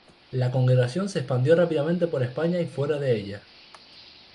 La congregación se expandió rápidamente por España y fuera de ella.